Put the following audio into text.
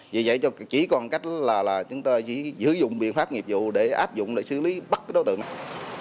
vì vậy chỉ còn cách là chúng ta chỉ sử dụng biện pháp nghiệp vụ để áp dụng để xử lý bắt đối tượng